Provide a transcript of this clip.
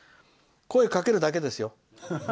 声かけるだけですよ。